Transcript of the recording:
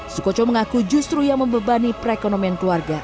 sukoco mengaku justru yang membebani perekonomian keluarga